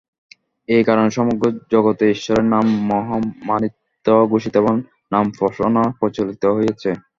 এই কারণে সমগ্র জগতে ঈশ্বরের নাম মহিমান্বিত ঘোষিত এবং নামোপাসনা প্রচলিত হইয়াছে।